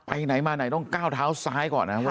ไหนมาไหนต้องก้าวเท้าซ้ายก่อนนะว่า